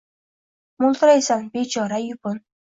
Moʼltiraysan – bechora, yupun